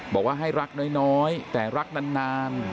บอกว่าให้รักน้อยแต่รักนาน